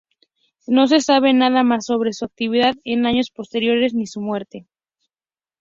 No se sabe nada más sobre su actividad en años posteriores ni su muerte.